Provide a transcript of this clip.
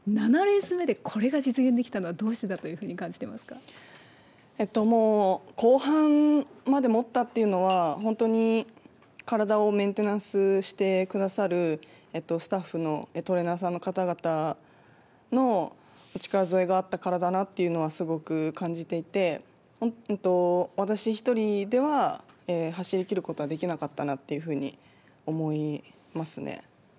７レース目でこれが実現できたのはどうしてだというふうに感じてもう後半までもったっていうのは、本当に体をメンテナンスしてくださるスタッフの、トレーナーさんの方々のお力添えがあったからというのはすごく感じていて、私１人では走りきることはできなかったなっていうふうに思いますね。